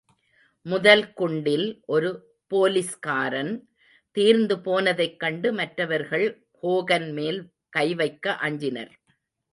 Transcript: முதல் குண்டில் ஒரு போலிஸ்காரன் தீர்ந்துபோனதைக் கண்டு மற்றவர்கள் ஹோகன் மேல் கைவைக்க அஞ்சினர்.